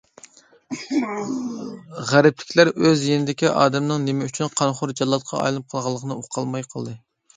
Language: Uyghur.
غەربلىكلەر ئۆز يېنىدىكى ئادەمنىڭ نېمە ئۈچۈن قانخور جاللاتقا ئايلىنىپ قالغانلىقىنى ئۇقالماي قالدى.